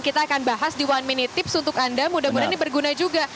kita akan bahas di one minute tips untuk anda mudah mudahan ini berguna juga